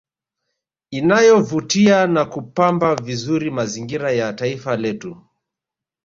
Inayovutia na kupamba vizuri mazingira ya taifa letu